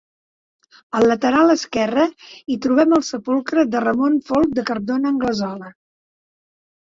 Al lateral esquerre hi trobem el Sepulcre de Ramon Folc de Cardona-Anglesola.